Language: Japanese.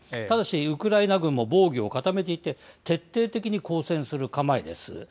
ただしウクライナ軍も防御を固めていて、徹底的に抗戦する構えです。